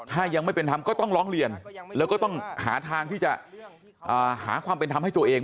ถ้ายังไม่เป็นธรรมก็ต้องร้องเรียนแล้วก็ต้องหาทางที่จะหาความเป็นธรรมให้ตัวเอง